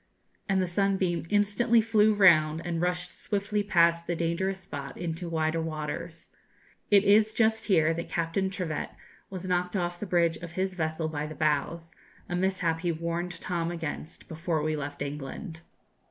and the 'Sunbeam' instantly flew round and rushed swiftly past the dangerous spot into wider waters. It is just here that Captain Trivett was knocked off the bridge of his vessel by the boughs a mishap he warned Tom against before we left England.